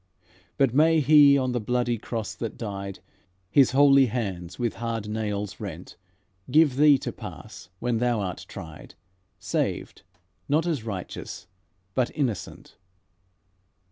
But may He on the bloody cross that died, His holy hands with hard nails rent, Give thee to pass when thou art tried, Saved, not as righteous, but innocent."